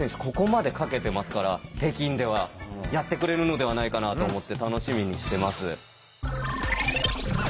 ここまでかけてますから北京ではやってくれるのではないかなと思って楽しみにしてます。